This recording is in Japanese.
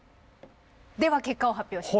では結果を発表します。